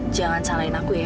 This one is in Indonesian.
jangan salahin aku ya